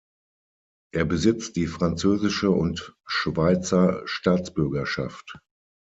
Er besitzt die französische und Schweizer Staatsbürgerschaft.